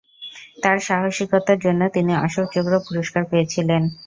তাঁর সাহসিকতার জন্য তিনি অশোক চক্র পুরস্কার পেয়েছিলেন।